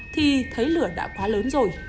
thì thấy lửa đã quá lớn rồi